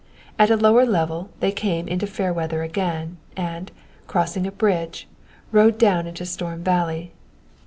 At a lower level they came into fair weather again, and, crossing a bridge, rode down into Storm Valley.